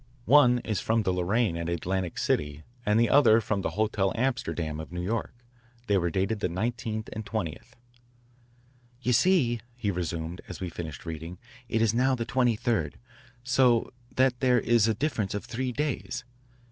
One is from the Lorraine at Atlantic City and the other from the Hotel Amsterdam of New York. They were dated the 19th and 20th." "You see," he resumed as we finished reading, "it is now the 23rd, so that there is a difference of three days.